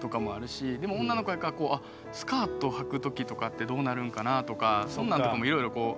でも女の子やからスカートはく時とかってどうなるんかなとかそんなんとかもいろいろこう。